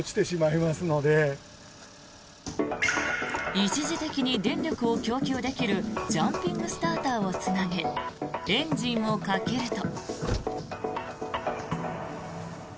一時的に電力を供給できるジャンピングスターターをつなげエンジンをかけると。